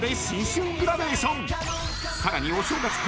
［さらにお正月恒例